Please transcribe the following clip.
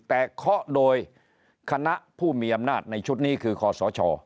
แต่เคาะโดยคณะผู้มีอำนาจในชุดนี้คือคอสช